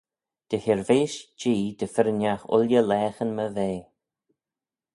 Dy 'hirveish Jee dy firrinagh ooilley laghyn my vea.